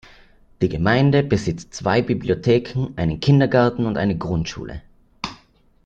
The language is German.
Die Gemeinde besitzt zwei Bibliotheken, einen Kindergarten und eine Grundschule.